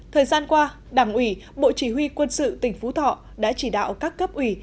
thời gian qua đảng ủy bộ chỉ huy quân sự tỉnh phú thọ đã chỉ đạo các cấp ủy